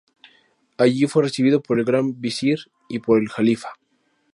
Allí fue recibido por el Gran Visir y por el Jalifa.